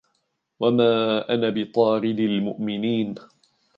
وَمَا أَنَا بِطَارِدِ الْمُؤْمِنِينَ